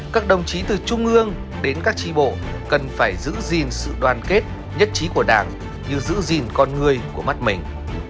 các đồng chí từ trung ương đến các tri bộ cần phải giữ gìn sự đoàn kết nhất trí của đảng như giữ gìn con người của mắt mình